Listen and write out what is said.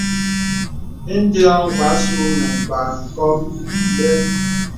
Indē ɔ̄ɔ̄. Mgbàsù nə̀ Mgbàkɔ bə.